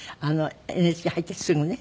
ＮＨＫ入ってすぐね。